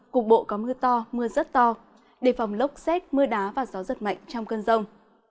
cục bộ có mưa to mưa rất to đề phòng lốc xét mưa đá và gió giật mạnh trong cơn rông